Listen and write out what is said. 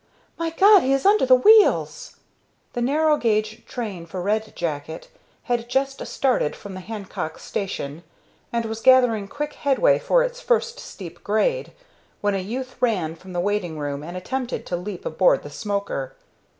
"My God, he is under the wheels!" The narrow gauge train for Red Jacket had just started from the Hancock station, and was gathering quick headway for its first steep grade, when a youth ran from the waiting room and attempted to leap aboard the "smoker."